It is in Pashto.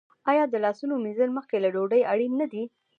آیا د لاسونو مینځل مخکې له ډوډۍ اړین نه دي؟